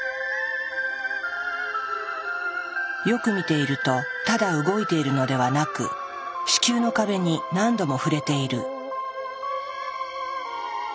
よく見ているとただ動いているのではなく子宮の壁に何度も触れている。